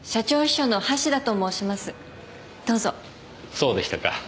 そうでしたか。